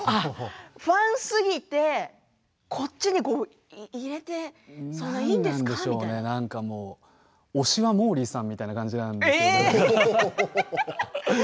ファンすぎてこっちに入れて推しはモーリーさんみたいな感じなんですよね。